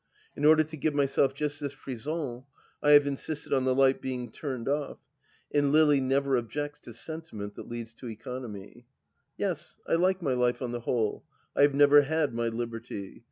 In order to give myself just this frisson I have insisted on the light being turned oft, and Lily never objects to senti ment that leads to economy. Yes, I like my life on the whole. I have never had my liberty.